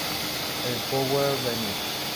El Porvenir.